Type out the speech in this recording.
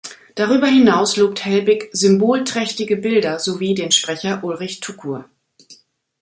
Darüber hinaus lobt Helbig „symbolträchtige Bilder“ sowie den Sprecher Ulrich Tukur.